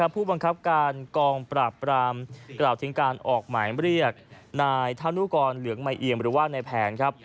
ผู้บังคับการกองปราบปรามกล่าวถึงการออกหมายเรียกนายธานุกรเหลืองใหม่เอียมหรือว่าในแผนครับ